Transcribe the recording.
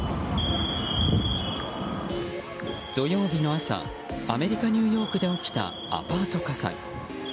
土曜日の朝アメリカ・ニューヨークで起きたアパート火災。